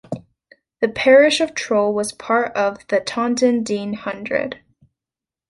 The parish of Trull was part of the Taunton Deane Hundred.